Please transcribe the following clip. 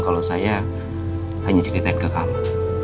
kalau saya hanya ceritain ke kamu